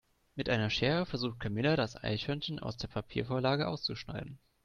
Mit einer Schere versucht Camilla das Eichhörnchen aus der Papiervorlage auszuschneiden.